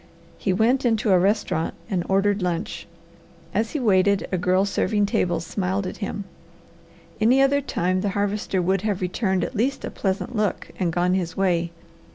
He went into a restaurant and ordered lunch; as he waited a girl serving tables smiled at him. Any other time the Harvester would have returned at least a pleasant look, and gone his way.